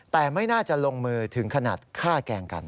แต่ไม่น่าจะลงมือถึงขนาดฆ่าแกล้งกัน